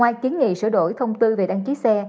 ngoài kiến nghị sửa đổi thông tư về đăng ký xe